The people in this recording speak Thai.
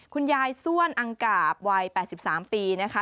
คุณยายส้วนอังกาบวัย๘๓ปีนะคะ